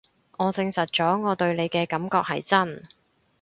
我證實咗我對你嘅感覺係真